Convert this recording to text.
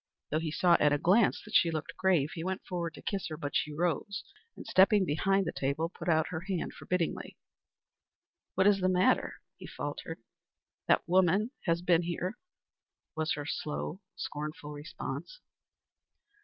Though he saw at a glance that she looked grave, he went forward to kiss her, but she rose and, stepping behind the table, put out her hand forbiddingly. "What is the matter?" he faltered. "That woman has been here," was her slow, scornful response.